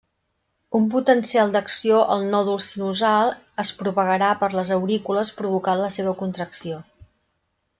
Un potencial d'acció al nòdul sinusal es propagarà per les aurícules provocant la seva contracció.